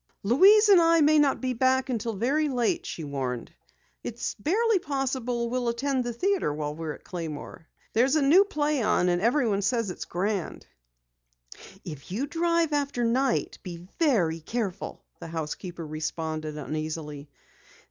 "Louise and I may not be back until very late," she warned. "It's barely possible we'll attend the theatre while we're at Claymore. There's a new play on, and everyone says it's grand." "If you drive after night, be very careful," the housekeeper responded uneasily.